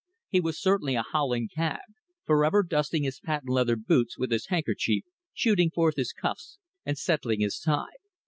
He was certainly a howling cad, for ever dusting his patent leather boots with his handkerchief, shooting forth his cuffs, and settling his tie.